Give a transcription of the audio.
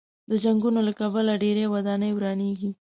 د جنګونو له کبله ډېرې ودانۍ ورانېږي.